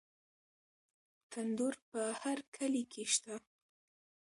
تندور په هر کلي کې شته.